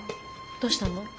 どうしたの？